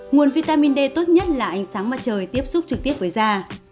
nguồn vitamin d tốt nhất là ánh sáng mặt trời tiếp xúc trực tiếp với da